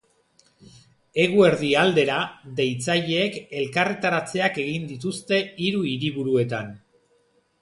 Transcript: Eguerdi aldera, deitzaileek elkarretaratzeak egin dituzte hiru hiriburuetan.